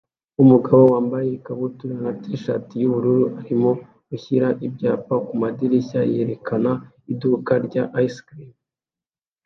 Umugabo wambaye ikabutura na t-shirt yubururu arimo gushyira ibyapa kumadirishya yerekana iduka rya ice cream